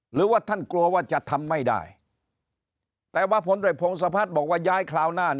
หรือว่าท่านกลัวว่าจะทำไม่ได้แต่ว่าผลโดยพงศพัฒน์บอกว่าย้ายคราวหน้า